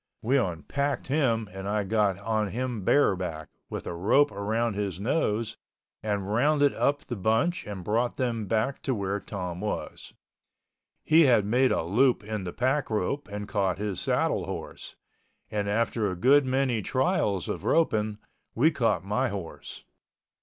We unpacked him and I got on him bareback, with a rope around his nose, and rounded up the bunch and brought them back to where Tom was. He had made a loop in the pack rope and caught his saddle horse. And after a good many trials of roping, we caught my horse.